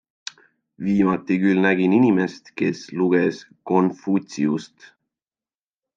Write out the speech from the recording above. Viimati küll nägin inimest, kes luges Konfutsiust.